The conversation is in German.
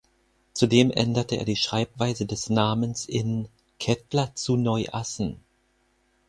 Zudem änderte er die Schreibweise des Namens in "Kettler zu Neu-Assen".